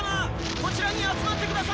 こちらに集まって下さい！